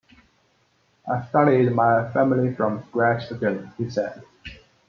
"I started my family from scratch again," he said.